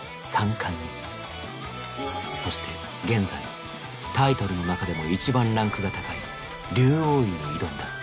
そして現在タイトルの中でも一番ランクが高い竜王位に挑んだ。